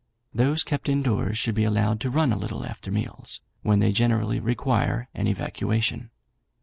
Those kept in doors should be allowed to run a little after meals, when they generally require an evacuation.